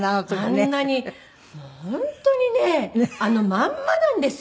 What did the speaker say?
あんなに本当にねあのまんまなんですよね